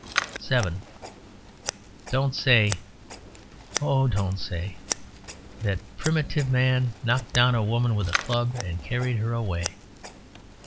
(7) Don't say (O don't say) that Primitive Man knocked down a woman with a club and carried her away.